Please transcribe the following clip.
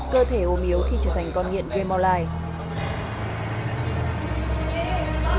cơ thể ôm yếu khi trở thành con nghiện game online